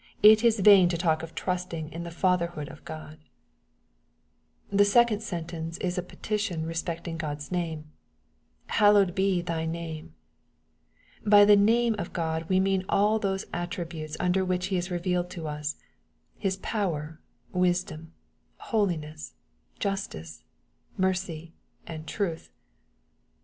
it is vain to talk of trusting in the Fatherhood of God. The second sentence is apetttionrespecting GocPsname :" Hallowed be thy name.'" By the " name" of Gk>d we mean all those attributes under which He is revealed to us, — ^His power, wisdom, holiness, justice, mercy, and truth.